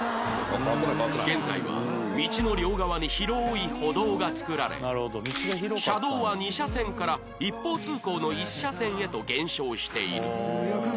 現在は道の両側に広い歩道が造られ車道は２車線から一方通行の一車線へと減少している